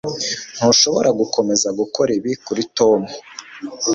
ntushobora gukomeza gukora ibi kuri tom